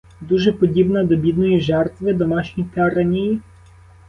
Дуже подібна до бідної жертви домашньої тиранії?